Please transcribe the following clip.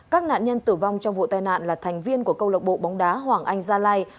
các nạn nhân tử vong trong vụ tai nạn là thành viên của câu lạc bộ bóng đá hoàng anh gia lai